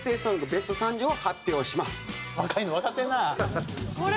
ベスト３０を発表します。